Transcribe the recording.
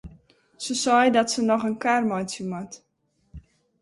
Se seit dat se noch in kar meitsje moat.